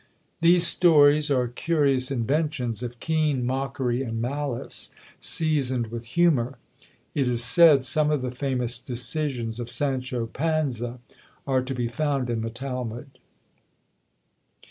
These stories are curious inventions of keen mockery and malice, seasoned with humour. It is said some of the famous decisions of Sancho Panza are to be found in the Talmud.